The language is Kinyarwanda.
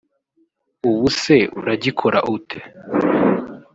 ubu se uragikora ute